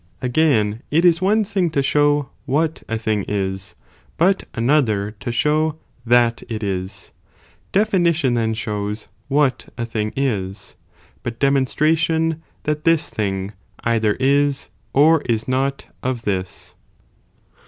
Again, or mnDihci. it is one thing to show what a thing is, but an ^^p"^' I show thai it is, definition then shows what wimtiivon ing b, but demons (ration tliat this thing, either "'*''""'<"'■" is or is not of this.